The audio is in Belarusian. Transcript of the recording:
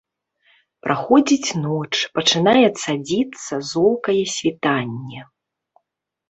Праходзіць ноч, пачынае цадзіцца золкае світанне.